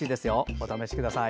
お試しください。